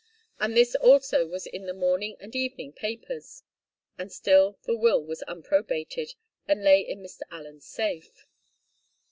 And this also was in the morning and evening papers, and still the will was unprobated, and lay in Mr. Allen's safe.